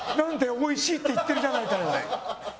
「おいしい」って言ってるじゃないかよ。